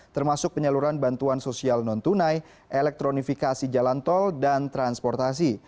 termasuk penyaluran bantuan sosial non tunai elektronifikasi jalan tol dan transportasi